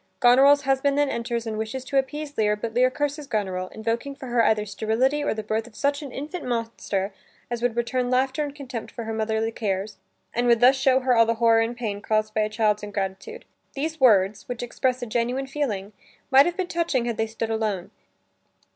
Goneril's husband then enters and wishes to appease Lear, but Lear curses Goneril, invoking for her either sterility or the birth of such an infant monster as would return laughter and contempt for her motherly cares, and would thus show her all the horror and pain caused by a child's ingratitude. These words which express a genuine feeling, might have been touching had they stood alone.